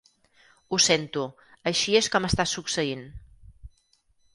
Ho sento, així és com està succeint.